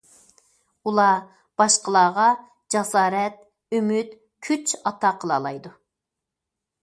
ئۇلار باشقىلارغا جاسارەت، ئۈمىد، كۈچ ئاتا قىلالايدۇ.